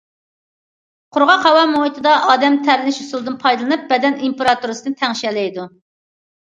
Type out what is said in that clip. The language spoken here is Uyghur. قۇرغاق ھاۋا مۇھىتىدا ئادەم تەرلىنىش ئۇسۇلىدىن پايدىلىنىپ، بەدەن تېمپېراتۇرىسىنى تەڭشىيەلەيدۇ.